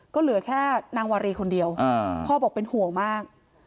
ก็เหลือแค่นางวารีคนเดียวพ่อบอกเป็นห่วงมาก